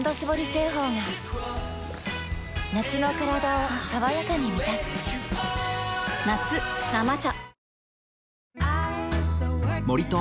製法が夏のカラダを爽やかに満たす夏「生茶」